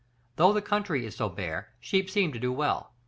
Though the country is so bare, sheep seem to do well.